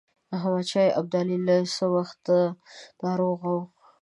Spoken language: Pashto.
احمدشاه ابدالي له څه وخته ناروغ وو.